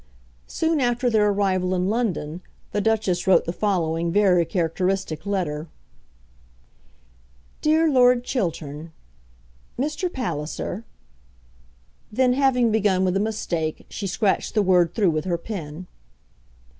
Soon after their arrival in London the Duchess wrote the following very characteristic letter: DEAR LORD CHILTERN, Mr. Palliser [Then having begun with a mistake, she scratched the word through with her pen.